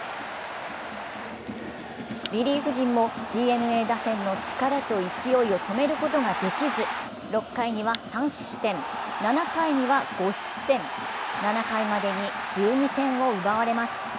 リリーフ陣もＤｅＮＡ打線の力と勢いを止めることができず６回には３失点、７回には５失点、７回までに１２点を奪われます。